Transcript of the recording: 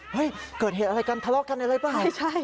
เฮ้ยเกิดเหตุอะไรกันทะเลาะกันอะไรเปล่า